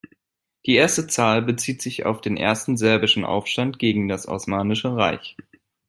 Die erste Zahl bezieht sich auf den Ersten Serbischen Aufstand gegen das Osmanische Reich.